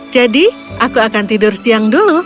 jadi aku akan tidur siang dulu